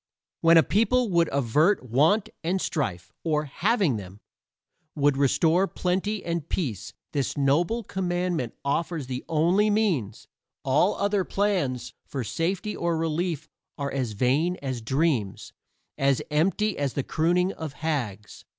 When a people would avert want and strife, or, having them, would restore plenty and peace, this noble commandment offers the only means all other plans for safety or relief are as vain as dreams, as empty as the crooning of hags.